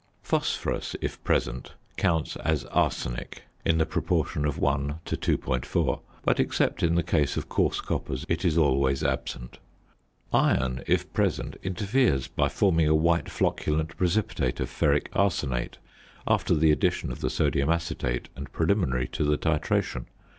Phosphorus, if present, counts as arsenic in the proportion of 1 to 2.4; but, except in the case of coarse coppers, it is always absent. Iron, if present, interferes by forming a white flocculent precipitate of ferric arsenate after the addition of the sodium acetate and preliminary to the titration.